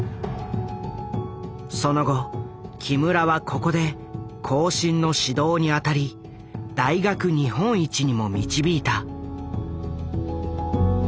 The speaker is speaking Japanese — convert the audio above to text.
その後木村はここで後進の指導に当たり大学日本一にも導いた。